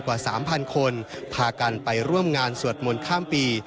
กว่า๓๐๐คนพากันไปร่วมงานสวดมนต์ข้ามปี